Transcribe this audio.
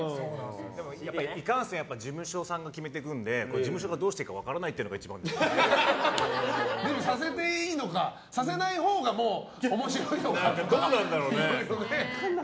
でも、いかんせん事務所さんが決めていくので事務所がどうしていいか分からないってのがでもさせていいのかさせないほうが、もう面白いのかっていう。